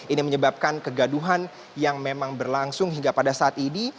ini menyebabkan kegaduhan yang memang berlangsung hingga pada saat ini